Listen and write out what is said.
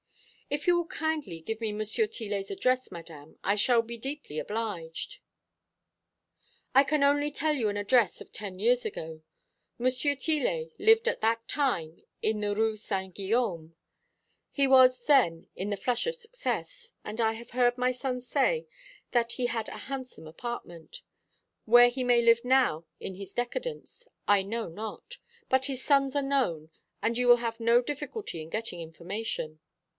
"If you will kindly give me M. Tillet's address, Madame, I shall be deeply obliged." "I can only tell you an address of ten years ago. M. Tillet lived at that time in the Rue Saint Guillaume. He was then in the flush of success, and I have heard my son say that he had a handsome apartment. Where he may live now in his decadence I know not. But his sons are known, and you will have no difficulty in getting information."